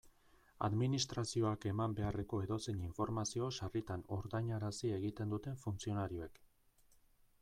Administrazioak eman beharreko edozein informazio sarritan ordainarazi egiten dute funtzionarioek.